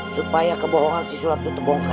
supaya kebohongan si sulam itu terbongkar